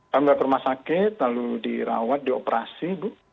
dia sudah ke rumah sakit lalu dirawat dioperasi